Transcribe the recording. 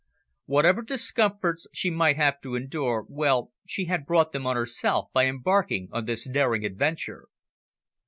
Whatever discomforts she might have to endure, well she had brought them on herself by embarking on this daring adventure.